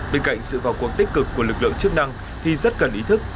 bên cạnh sự vào cuộc tích cực của lực lượng chức năng thì rất cần ý thức